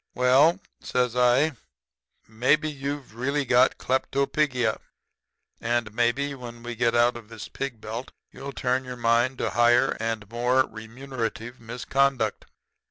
"'Well,' says I, 'maybe you've really got kleptopigia. And maybe when we get out of the pig belt you'll turn your mind to higher and more remunerative misconduct.